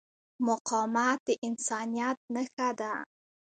مقاومت د انسانیت نښه ده.